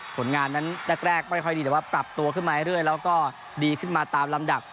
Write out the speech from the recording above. ผลงานนั้นแรกไม่ค่อยดีแต่ว่าปรับตัวขึ้นมาเรื่อยแล้วก็ดีขึ้นมาตามลำดับ